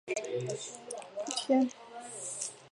三叶崖爬藤是葡萄科崖爬藤属的植物。